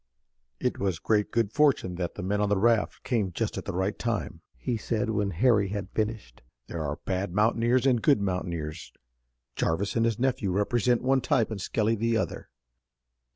"It was great good fortune that the men on the raft came just at the right time," he said, when Harry had finished. "There are bad mountaineers and good mountaineers Jarvis and his nephew represent one type and Skelly the other.